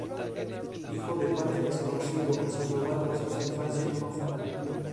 Hijo de padre desconocido, Sandoval pasó su infancia en un orfanato.